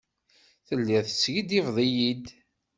Telliḍ teskiddibeḍ-iyi-d?